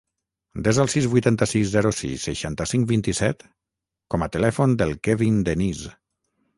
Desa el sis, vuitanta-sis, zero, sis, seixanta-cinc, vint-i-set com a telèfon del Kevin Deniz.